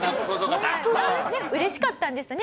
嬉しかったんですね